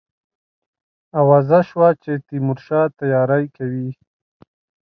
آوازه سوه چې تیمورشاه تیاری کوي.